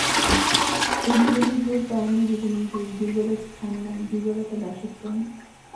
এই জীবনেই হউক বা অন্য জীবনেই হউক দুর্বলের স্থান নাই, দুর্বলতা দাসত্ব আনে।